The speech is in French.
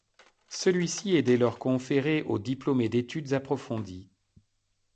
Celui-ci est dès lors conféré aux diplômés d’études approfondies.